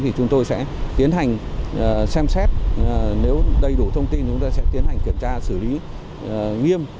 thì chúng tôi sẽ tiến hành xem xét nếu đầy đủ thông tin chúng ta sẽ tiến hành kiểm tra xử lý nghiêm